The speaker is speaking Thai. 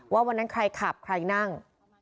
วันนั้นใครขับใครนั่ง